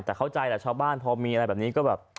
แต่เข้าใจแหละชาวบ้านพอมีอะไรแบบนี้ก็แบบ